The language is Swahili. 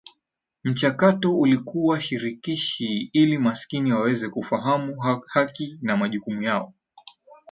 Mchakato ulikuwa shirikishi ili maskini waweze kufahamu haki na majukumu yao